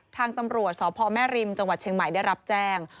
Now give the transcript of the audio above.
ทางตำรวจสพแม่ริมจังหวัดเชียงใหม่ได้รับแจ้ง